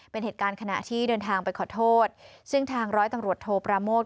เป็นเหตุการณ์ขณะที่เดินทางไปขอโทษซึ่งทางร้อยตำรวจโทปราโมท